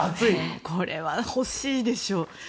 これは欲しいでしょう。